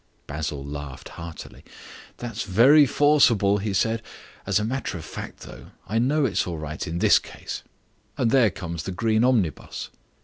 Basil laughed heartily. "That's very forcible," he said. "As a matter of fact, though, I know it's all right in this case. And there comes the green omnibus."